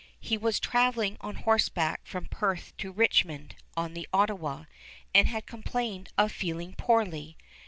He was traveling on horseback from Perth to Richmond, on the Ottawa, and had complained of feeling poorly.